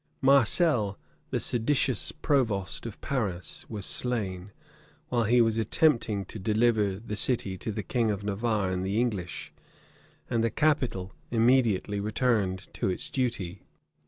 Marcel, the seditious provost of Paris, was slain, while he was attempting to deliver the city to the king of Navarre and the English; and the capital immediately returned to its duty.